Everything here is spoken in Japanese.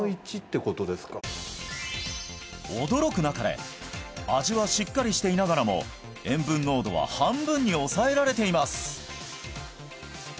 驚くなかれ味はしっかりしていながらも塩分濃度は半分に抑えられています